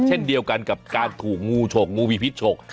เช่นเดียวกันกับการถูกงูฉกงูมีพิษฉก